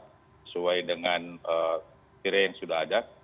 sesuai dengan kira kira yang sudah ada